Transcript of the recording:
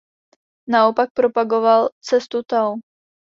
Naopak propagoval „cestu tao“.